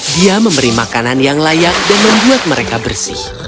dia memberi makanan yang layak dan membuat mereka bersih